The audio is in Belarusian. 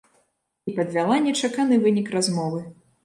І падвяла нечаканы вынік размовы.